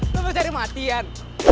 lo bisa dimatikan